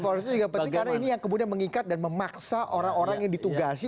forensik juga penting karena ini yang kemudian mengikat dan memaksa orang orang yang ditugasi